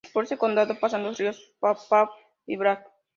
Por este condado pasan los ríos Paw Paw y Black.